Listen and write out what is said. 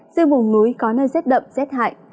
dư vùng núi có nơi rét đậm rét hại